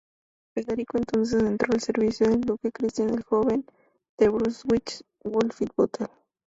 Federico entonces entró al servicio del duque Cristián el Joven de Brunswick-Wolfenbüttel.